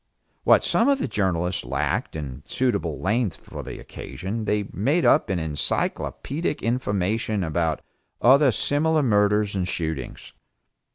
What some of the journals lacked in suitable length for the occasion, they made up in encyclopaedic information about other similar murders and shootings.